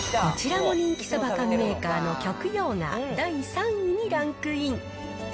こちらも人気サバ缶メーカーの極洋が、第３位にランクイン。